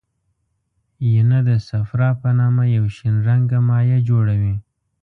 ینه د صفرا په نامه یو شین رنګه مایع جوړوي.